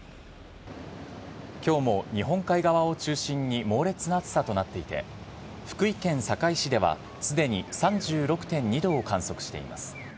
きょうも、日本海側を中心に猛烈な暑さとなっていて、福井県坂井市ではすでに３６．２度を観測しています。